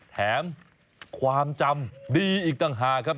แถมความจำดีอีกต่างหากครับ